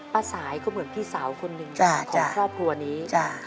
สายก็เหมือนพี่สาวคนหนึ่งจากครอบครัวนี้